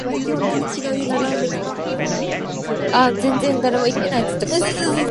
When they return to bed, Marley reappears.